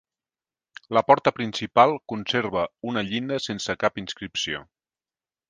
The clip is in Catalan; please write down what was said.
La porta principal conserva una llinda sense cap inscripció.